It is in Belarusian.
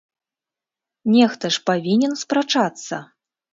Нехта ж павінен спрачацца!